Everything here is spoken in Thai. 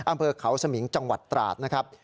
อำเภอเขาสมิงจังหวัดตราดนะครับ